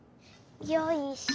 よいしょ。